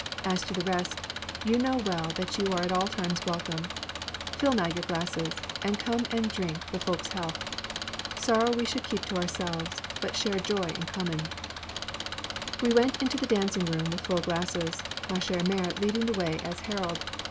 As to the rest, you know well that you are at all times welcome. Fill now your glasses, and come and drink the folks' health. Sorrow we should keep to ourselves, but share joy in common." We went into the dancing room with full glasses, ma chère mère leading the way as herald.